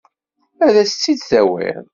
Ad as-tt-id-tawiḍ?